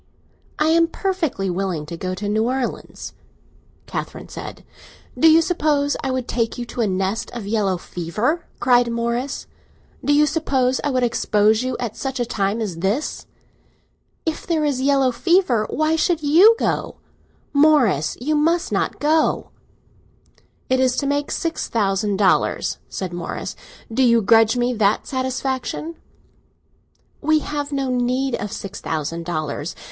"I am perfectly willing to go to New Orleans." Catherine said. "Do you suppose I would take you to a nest of yellow fever?" cried Morris. "Do you suppose I would expose you at such a time as this?" "If there is yellow fever, why should you go? Morris, you must not go!" "It is to make six thousand dollars," said Morris. "Do you grudge me that satisfaction?" "We have no need of six thousand dollars.